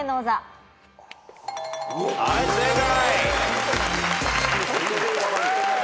はい正解。